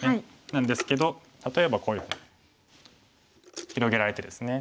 なんですけど例えばこういうふうに広げられてですね。